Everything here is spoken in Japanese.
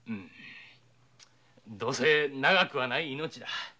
どうせ長くはない命だ。